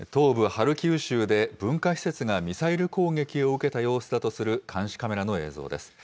ハルキウ州で文化施設がミサイル攻撃を受けた様子だとする監視カメラの映像です。